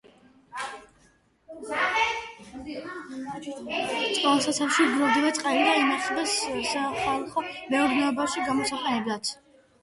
წყალსაცავში გროვდება წყალი და ინახება სახალხო მეურნეობაში გამოსაყენებლად.